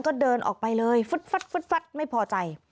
ก็เดินออกไปเลยฟึดไม่พอใจ